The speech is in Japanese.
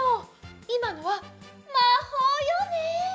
いまのはまほうよね？